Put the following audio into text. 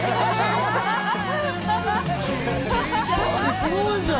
すごいじゃん！